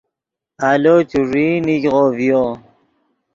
آلو چوݱیئی نیگغو ڤیو